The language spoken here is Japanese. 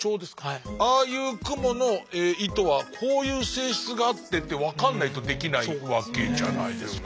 ああいうクモの糸はこういう性質があってって分かんないとできないわけじゃないですか。